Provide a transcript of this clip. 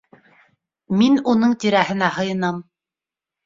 Мин уның тирәһенә һыйынам.